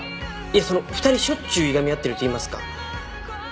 いやその２人しょっちゅういがみ合ってるといいますか。